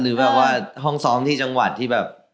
หรือแบบว่าห้องซ้อมที่จังหวัดที่แบบ